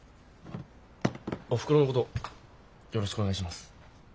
おふくろのことよろしくお願いします。